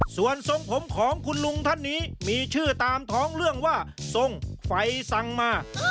ส่วนทรงผมของคุณลุงท่านนี้มีชื่อตามท้องเรื่องว่าทรงไฟสั่งมา